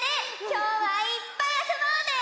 きょうはいっぱいあそぼうね！